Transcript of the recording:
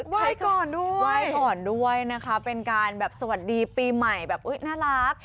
ว่ายก่อนด้วยนะคะเป็นการสวัสดีปีใหม่แบบน่ารัก